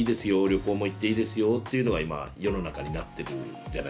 旅行も行っていいですよっていうのが今世の中になってるじゃないですか。